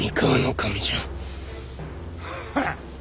ハッ！